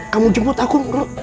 kamu jemput aku